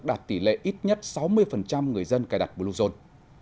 đạt tỷ lệ ít nhất sáu mươi người dân cài đặt bluezone